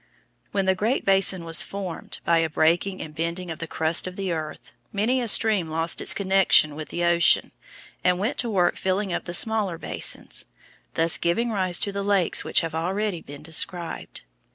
When the Great Basin was formed by a breaking and bending of the crust of the earth, many a stream lost its connection with the ocean and went to work filling up the smaller basins, thus giving rise to the lakes which have already been described.